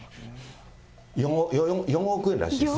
４億円らしいです。